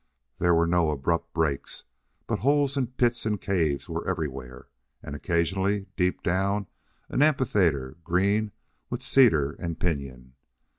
There were no abrupt breaks, but holes and pits and caves were everywhere, and occasionally, deep down, an amphitheater green with cedar and pinyon.